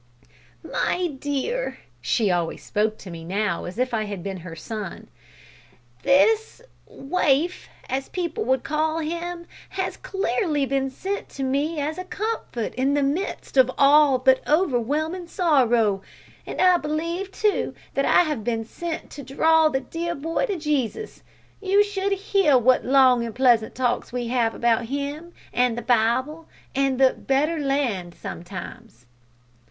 "My dear," she always spoke to me now as if I had been her son "this `waif,' as people would call him, has clearly been sent to me as a comfort in the midst of all but overwhelming sorrow; and I believe, too, that I have been sent to draw the dear boy to Jesus. You should hear what long and pleasant talks we have about Him, and the Bible, and the `better land' sometimes."